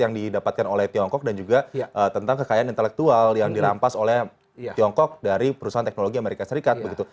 yang didapatkan oleh tiongkok dan juga tentang kekayaan intelektual yang dirampas oleh tiongkok dari perusahaan teknologi amerika serikat begitu